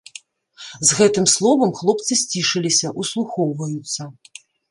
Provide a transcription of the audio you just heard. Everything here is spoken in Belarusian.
З гэтым словам хлопцы сцішыліся, услухоўваюцца.